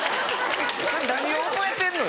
何を覚えてんのよ。